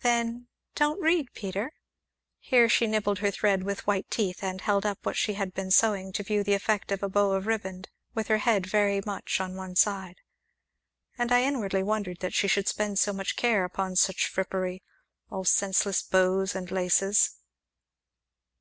"Then don't read, Peter." Here she nibbled her thread with white teeth, and held up what she had been sewing to view the effect of a bow of riband, with her head very much on one side. And I inwardly wondered that she should spend so much care upon such frippery all senseless bows and laces.